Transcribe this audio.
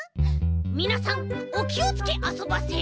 みなさんおきをつけあそばせ！